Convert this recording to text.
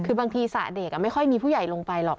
คือบางทีสระเด็กไม่ค่อยมีผู้ใหญ่ลงไปหรอก